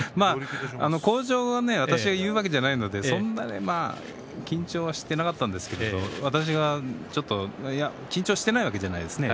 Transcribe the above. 口上は私が言うわけではないので緊張はしていなかったんですけど緊張していないわけではないですね。